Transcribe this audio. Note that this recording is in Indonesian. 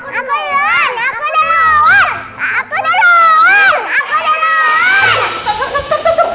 tunggu tunggu tunggu tunggu